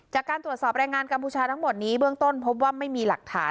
จากการตรวจสอบแรงงานกัมพูชาทั้งหมดนี้เบื้องต้นพบว่าไม่มีหลักฐาน